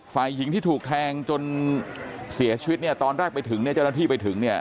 ฝ่ายหญิงที่ถูกแทงจนเสียชีวิตเนี่ยตอนแรกไปถึงเนี่ยเจ้าหน้าที่ไปถึงเนี่ย